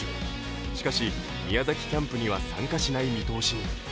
しかし宮崎キャンプには参加しない見通しに。